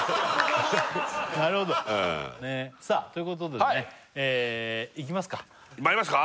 なるほどねっさあということでねいきますかまいりますか？